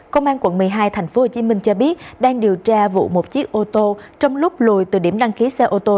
công an quận một mươi hai tp hcm cho biết đang điều tra vụ một chiếc ô tô trong lúc lùi từ điểm đăng ký xe ô tô